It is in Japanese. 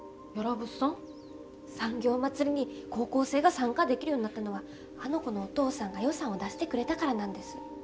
産業まつりに高校生が参加できるようになったのはあの子のお父さんが予算を出してくれたからなんです。